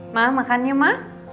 ma makan yuk ma